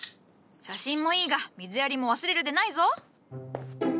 写真もいいが水やりも忘れるでないぞ。